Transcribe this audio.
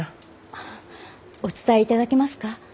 あっお伝えいただけますか？